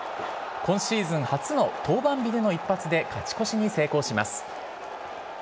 今シーズン初の登板日での一発で勝ち越しに成功します。